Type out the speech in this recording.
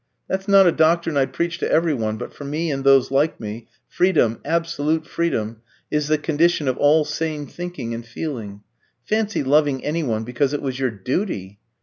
That's not a doctrine I'd preach to every one; but for me, and those like me, freedom, absolute freedom, is the condition of all sane thinking and feeling. Fancy loving any one because it was your duty!